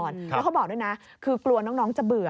แล้วเขาบอกด้วยนะคือกลัวน้องจะเบื่อ